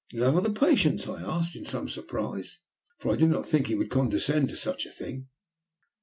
"You have other patients?" I asked, in some surprise, for I did not think he would condescend to such a thing.